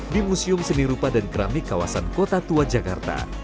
di museum seni rupa dan keramik kawasan kota tua jakarta